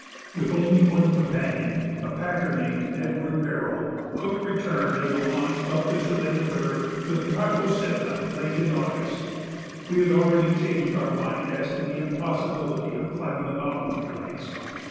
With only one companion, a packer named Edward Barrille, Cook returned in the launch up the Chulitna River to the Tokositna late in August. "We had already changed our mind as to the impossibility of climbing the mountain," he writes.